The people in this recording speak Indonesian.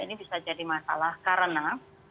ini bisa jadi masalah karena